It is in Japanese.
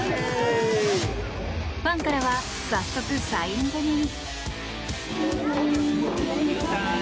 ファンからは早速、サイン攻めに。